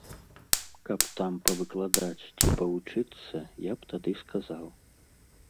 Каб там павыкладаць ці павучыцца, я б тады сказаў.